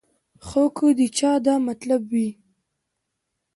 خو کۀ د چا دا مطلب وي